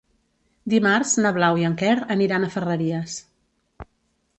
Dimarts na Blau i en Quer aniran a Ferreries.